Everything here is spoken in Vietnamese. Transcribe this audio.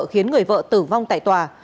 khiến người vợ tử vong tại tòa